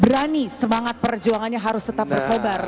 berani semangat perjuangannya harus tetap berkobar